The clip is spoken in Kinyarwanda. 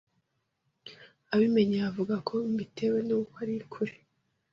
abimenye yavuga ko mbitewe nuko ari kure.